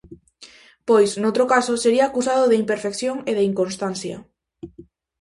Pois, noutro caso, sería acusado de imperfección e de inconstancia.